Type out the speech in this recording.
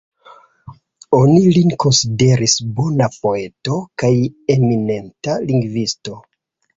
Oni lin konsideris bona poeto kaj eminenta lingvisto.